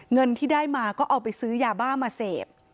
เงินที่ได้มาก็เอาไปซื้อยาบ้ามาเสพ